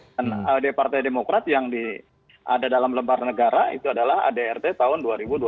dan adrt partai demokrat yang ada dalam lembar negara itu adalah adrt tahun dua ribu dua puluh